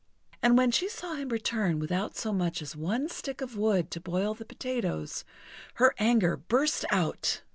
And when she saw him return without so much as one stick of wood to boil the potatoes, her anger burst out.